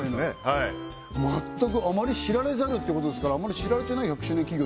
はい全くあまり知られざるってことですからあまり知られてない１００周年企業